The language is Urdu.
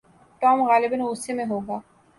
ٹام غالباً غصے میں ہوگا۔